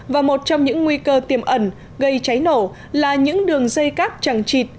và một trong những nguy cơ tiềm ẩn gây cháy nổ là những đường dây cáp chẳng chịt